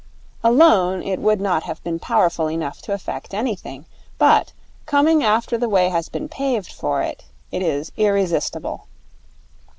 Alone, it would not have been powerful enough to effect anything. But, coming after the way has been paved for it, it is irresistible.